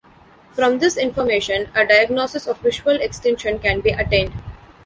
From this information, a diagnosis of visual extinction can be attained.